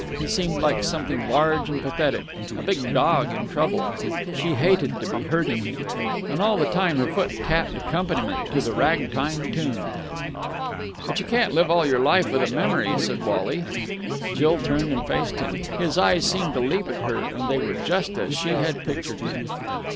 He seemed like something large and pathetic a big dog in trouble. She hated to be hurting him. And all the time her foot tapped accompaniment to the rag time tune. "But you can't live all your life with a memory," said Wally. Jill turned and faced him. His eyes seemed to leap at her, and they were just as she had pictured them.